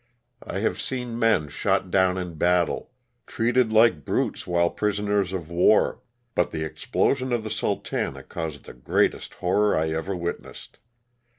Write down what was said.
I have seen men shot down in battle, treated like brutes while prisoners of war, but the explosion of the "Sultana " caused the greatest horror I ever witnessed.